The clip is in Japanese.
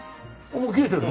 もう切れてるの？